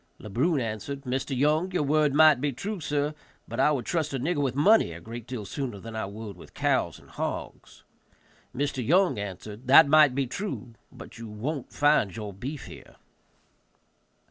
Le Brun answered, "Mr. Young, your word might be true, sir, but I would trust a nigger with money a great deal sooner than I would with cows and hogs." Mr. Young answered, "That might be true, but you won't find your beef here."